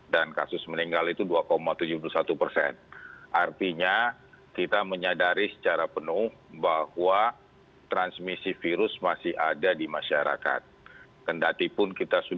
dan kasus meninggal itu dua tujuh puluh satu persen